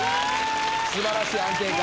素晴らしい安定感。